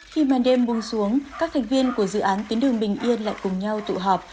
khi màn đêm buông xuống các thành viên của dự án tuyến đường bình yên lại cùng nhau tụ họp